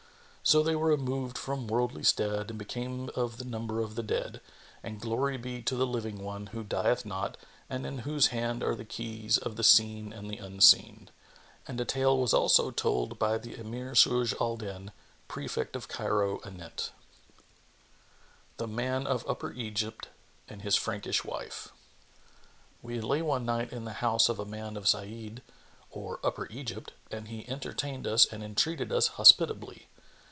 So they were removed from worldly stead and became of the number of the dead; and glory be to the Living One, who dieth not and in whose hand are the keys of the Seen and the Unseen! And a tale was also told by the Emir Shujб al Dнn,[FN#27] Prefect of Cairo anent THE MAN OF UPPER EGYPT AND HIS FRANKISH WIFE. We lay one night in the house of a man of the Sa'нd or Upper Egypt, and he entertained us and entreated us hospitably.